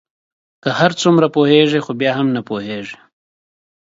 که هر څومره پوهیږی خو بیا هم نه پوهیږې